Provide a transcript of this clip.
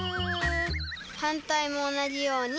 はんたいもおなじように。